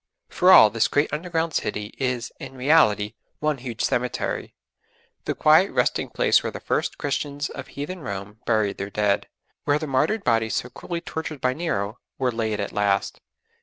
For all this great underground city is in reality one huge cemetery: the quiet resting place where the first Christians of heathen Rome buried their dead, where the martyred bodies so cruelly tortured by Nero were laid at last.